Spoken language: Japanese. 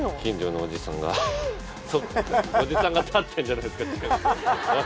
おじさんが立ってんじゃないっすか？